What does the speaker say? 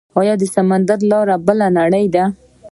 د سمندر لاندې بله نړۍ ده